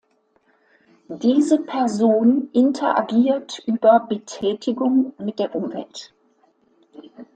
Diese Person interagiert über "Betätigung" mit der "Umwelt".